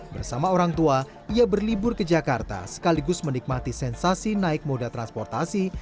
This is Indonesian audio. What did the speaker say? bersama orang tua ia berlibur ke jakarta sekaligus menikmati sensasi naik moda transportasi